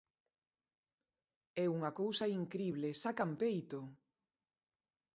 É unha cousa incrible, ¡sacan peito!